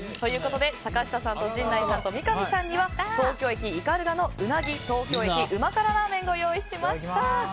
坂下さん、陣内さん三上さんには東京駅斑鳩のうなぎ東京駅旨辛らー麺をご用意しました。